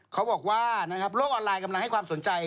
เขาบอกว่าโลกออนไลน์กำลังให้ความสนใจ